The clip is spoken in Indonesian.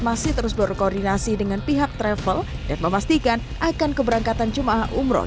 masih terus berkoordinasi dengan pihak travel dan memastikan akan keberangkatan jemaah umroh